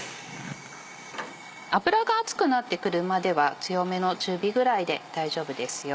油が熱くなってくるまでは強めの中火ぐらいで大丈夫ですよ。